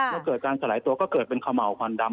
เมื่อเกิดการสลายตัวก็เกิดเป็นขะเหมาคอนดำ